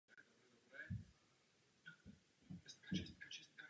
Upnout se na jediného investora bylo jednoznačně špatným doporučením.